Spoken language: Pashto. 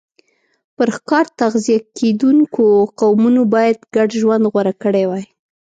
پر ښکار تغذیه کېدونکو قومونو باید ګډ ژوند غوره کړی وای